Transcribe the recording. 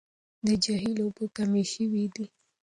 د جهيل اوبه کمې شوې دي.